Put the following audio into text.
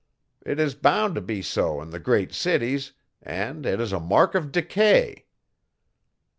It is bound to be so in the great cities, and it is a mark of decay.